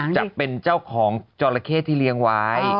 จะเป็นเจ้าของจอราเข้ที่เลี้ยงไว้